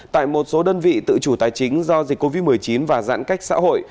tại một số đơn vị tự chủ tài chính do dịch covid một mươi chín và giãn cách xã hội